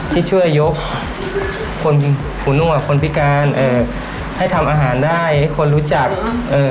ที่ช่วยยกคนหูนั่วคนพิการเอ่อให้ทำอาหารได้ให้คนรู้จักเอ่อ